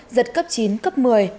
giật cấp chín cấp một mươi